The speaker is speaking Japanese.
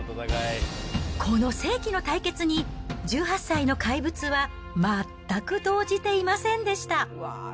この世紀の対決に、１８歳の怪物は全く動じていませんでした。